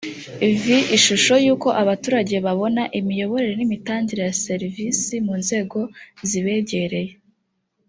vi ishusho y uko abaturage babona imiyoborere n imitangire ya serivisi mu nzego zibegereye